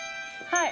はい。